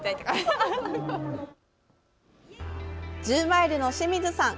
１０マイルの清水さん